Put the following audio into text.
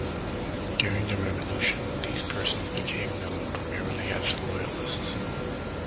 During the Revolution these persons became known primarily as "Loyalists".